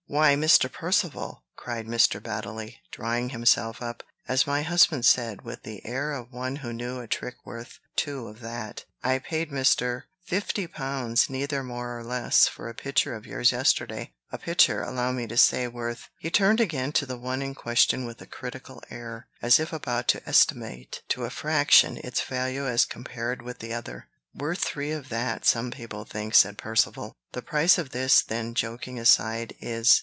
"Why, Mr. Percivale!" cried Mr. Baddeley, drawing himself up, as my husband said, with the air of one who knew a trick worth two of that, "I paid Mr. fifty pounds, neither more nor less, for a picture of yours yesterday a picture, allow me to say, worth" He turned again to the one in question with a critical air, as if about to estimate to a fraction its value as compared with the other. "Worth three of that, some people think," said Percivale. "The price of this, then, joking aside, is